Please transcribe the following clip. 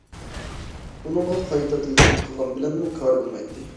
ئۇنىڭغا قايتا تېلېفون قىلغان بىلەنمۇ كارى بولمايتتى.